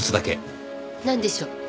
なんでしょう？